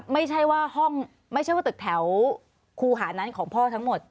ไม่ใช่ว่าห้องไม่ใช่ว่าตึกแถวคูหานั้นของพ่อทั้งหมด